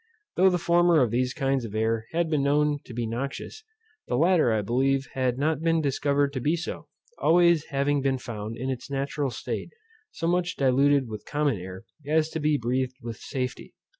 Though the former of these kinds of air had been known to be noxious, the latter I believe had not been discovered to be so, having always been found in its natural state, so much diluted with common air, as to be breathed with safety.